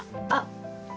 あっ。